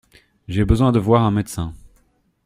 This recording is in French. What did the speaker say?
J’ai besoin de voir un médecin.